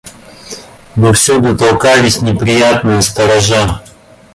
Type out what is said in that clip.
Но всюду толкались неприятные сторожа.